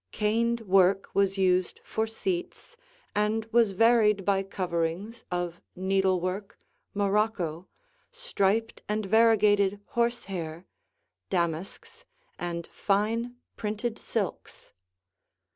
Caned work was used for seats and was varied by coverings of needlework, morocco, striped and variegated horsehair, damasks, and fine printed silks.